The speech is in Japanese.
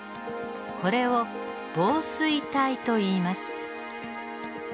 これを紡錘体といいます。